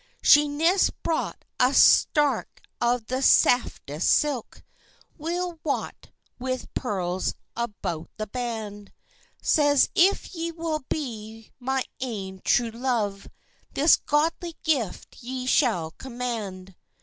She neist brocht a sark of the saftest silk, Weel wrought with pearls about the band; Says—"If ye will be my ain true love, This goodly gift ye shall command."